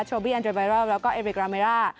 โชบิอันดรีเบิร์ลแล้วก็เอริกราเมร่า